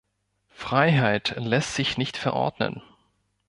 Freiheit lässt sich nicht verordnen.